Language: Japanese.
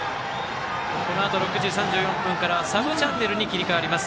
このあと６時３４分からはサブチャンネルに切り替わります。